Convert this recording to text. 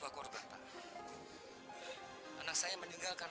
pak udah pak